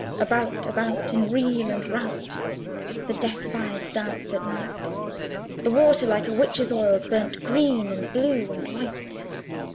About, about, in reel and rout The death fires danced at night; The water, like a witch's oils, Burnt green, and blue and white.